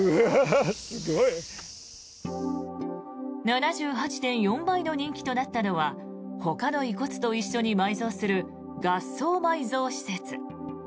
７８．４倍の人気となったのはほかの遺骨と一緒に埋葬する合葬埋蔵施設。